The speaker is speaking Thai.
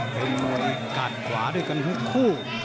เป็นมวยกาดขวาด้วยกันทั้งคู่